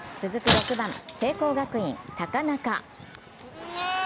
６番、聖光学院・高中。